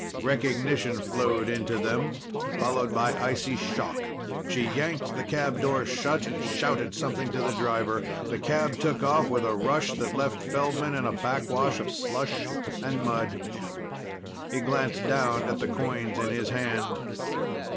Recognition flowed into them, followed by icy shock. She yanked the cab door shut and shouted something to the driver. The cab took off with a rush that left Feldman in a backwash of slush and mud. He glanced down at the coins in his hand.